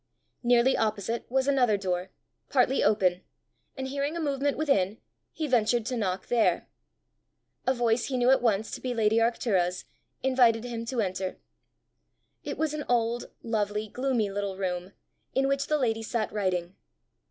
Nearly opposite was another door, partly open, and hearing a movement within, he ventured to knock there. A voice he knew at once to be lady Arctura's, invited him to enter. It was an old, lovely, gloomy little room, in which sat the lady writing.